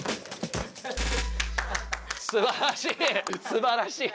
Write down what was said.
すばらしい！